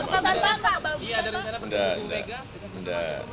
tidak tidak ada